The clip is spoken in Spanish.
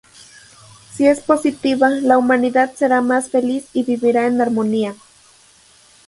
Si es positiva, la humanidad será más feliz y vivirá en armonía.